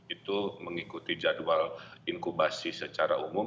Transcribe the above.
itu mengikuti jadwal inkubasi secara umum